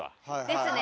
ですね。